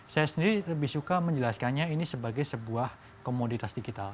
saya sendiri lebih suka menjelaskannya ini sebagai sebuah komoditas digital